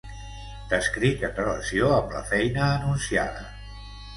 T'escric en relació amb la feina anunciada.